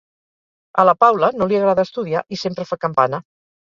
A la Paula no li agrada estudiar i sempre fa campana: